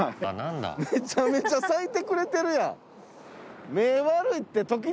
めちゃめちゃ咲いてくれてるやん。